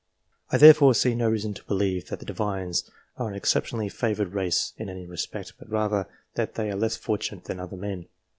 I therefore see no reason to believe that the Divines are an exceptionally favoured race in any respect ; but rather, that they are less fortunate than other men.